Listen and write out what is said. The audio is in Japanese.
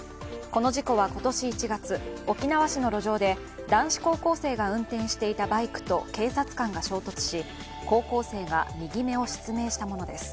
この事故は、今年１月沖縄市の路上で男子高校生が運転していたバイクと警察官が衝突し、高校生が右目を失明したものです。